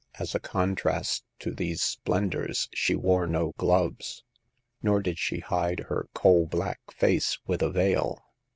As a contrast to these splendors she wore no gloves, nor did she hide her coal blackface with a veil.